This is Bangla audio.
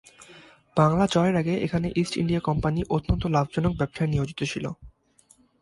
বাংলা জয়ের আগে এখানে ইস্ট ইন্ডিয়া কোম্পানি অত্যন্ত লাভজনক ব্যবসায়ে নিয়োজিত ছিল।